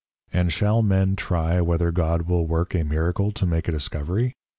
And shall Men try whether God will work a Miracle to make a discovery?